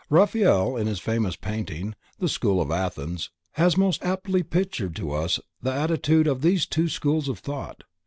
Raphael in his famous painting "the School of Athens" has most aptly pictured to us the attitude of these two schools of thought.